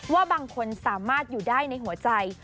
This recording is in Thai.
ว่าบางคนสามารถอยู่ได้ในหัวใจ